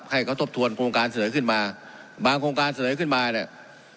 ให้เขาทบทวนโครงการเสนอขึ้นมาบางโครงการเสนอขึ้นมาเนี่ย